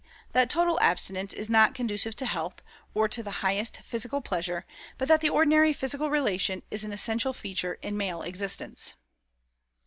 that total abstinence is not conducive to health, or to the highest physical pleasure, but that the ordinary physical relation is an essential feature in male existence.